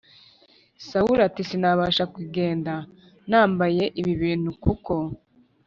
Sawuli Ati Sinabasha Kugenda Nambaye Ibi Bintu Kuko